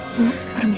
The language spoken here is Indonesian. kami mau pulang